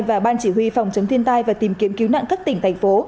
và ban chỉ huy phòng chống thiên tai và tìm kiếm cứu nạn các tỉnh thành phố